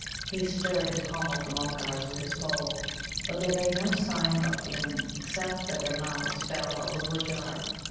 He stirred and pommelled the Mulgars with his pole. But they made no sign of feeling, except that their mouths fell a little ajar.